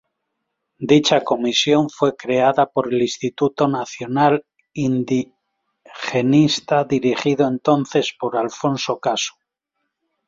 Dicha comisión fue creada por el Instituto Nacional Indigenista, dirigido entonces por Alfonso Caso.